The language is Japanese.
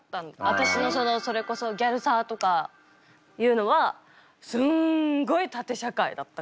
私のそれこそギャルサーとかいうのはすんごい縦社会だったから。